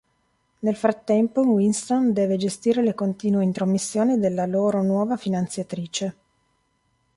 Nel frattempo Winston deve gestire le continue intromissioni della loro nuova finanziatrice.